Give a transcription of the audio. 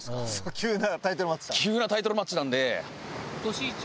急なタイトルマッチなんで。